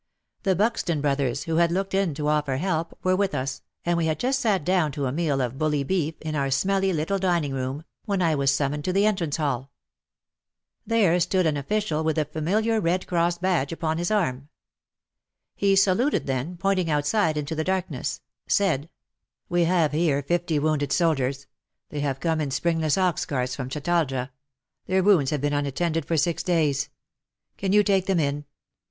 The Buxton brothers, who had looked in to offer help, were with us, and we had just sat down to a meal of bully beef, in our smelly little dining room, when I was summoned to the entrance hall. There stood an official with the familiar Red Cross badge upon his arm. He saluted, then, pointing outside into the darkness, said : "We have here fifty wounded soldiers. They have come in springless ox carts from Chatalja — their wounds have been untended for six days. Can you take them in